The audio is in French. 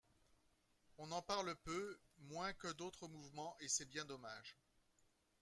On en parle peu, moins que d’autres mouvements, et c’est bien dommage.